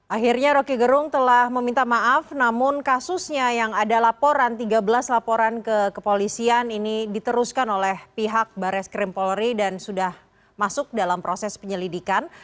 akhirnya roky gerung telah meminta maaf namun kasusnya yang ada laporan tiga belas laporan ke kepolisian ini diteruskan oleh pihak baris krim polri dan sudah masuk dalam proses penyelidikan